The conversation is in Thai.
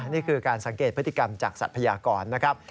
นี่คือการสังเกตพฤติกรรมจากสัพยากรนะครับ